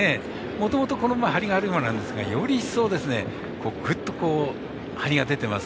もともと、この馬ハリがある馬なんですがより一層、ぐっとハリが出てます。